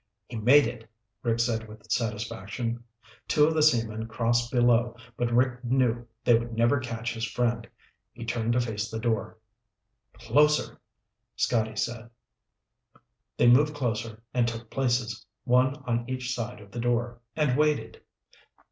"He made it," Rick said with satisfaction. Two of the seamen crossed below, but Rick knew they would never catch his friend. He turned to face the door. "Closer," Scotty said. They moved closer and took places, one on each side of the door, and waited.